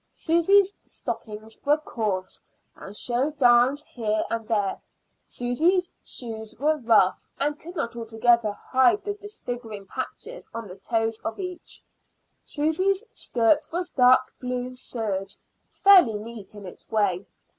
Susy's stockings were coarse, and showed darns here and there; Susy's shoes were rough, and could not altogether hide the disfiguring patches on the toes of each; Susy's skirt was dark blue serge, fairly neat in its way.